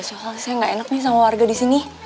soalnya saya gak enak nih sama warga disini